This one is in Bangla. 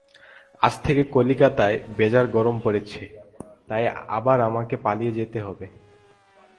আজ থেকে কলিকাতায় বেজায় গরম পড়েছে, তাই আবার আমাকে পালিয়ে যেতে হবে।